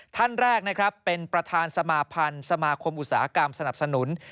ท่านแรกนะครับเป็นประธานสมาพันธ์สมาคมอุตสาหกรรมสนับสนุน